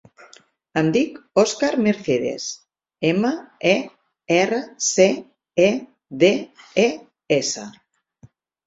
Em dic Òscar Mercedes: ema, e, erra, ce, e, de, e, essa.